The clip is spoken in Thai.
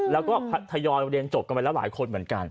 แล้วก็ทยอยเรียนจบกันไปแล้วหลายคนเหมือนกัน